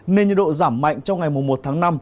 nên nhiệt độ giảm mạnh trong ngày một tháng năm